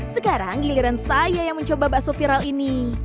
sekarang giliran saya yang mencoba bakso viral ini